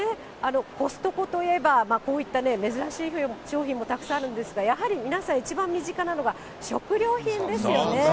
コストコといえば、こういったね、珍しい商品もたくさんあるんですが、やはり皆さん一番身近なのが食料品ですよね。